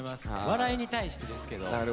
笑いに対してですけど。